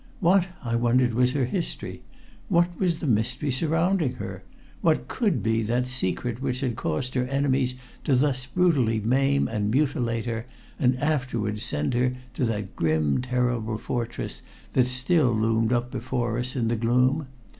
What, I wondered, was her history? What was the mystery surrounding her? What could be that secret which had caused her enemies to thus brutally maim and mutilate her, and afterwards send her to that grim, terrible fortress that still loomed up before us in the gloom?